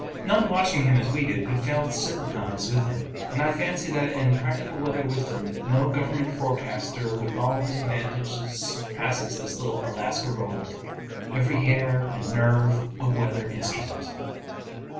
None watching him as we did could fail to sympathize with him; and I fancy that in practical weather wisdom no government forecaster with all his advantages surpasses this little Alaska rodent, every hair and nerve a weather instrument.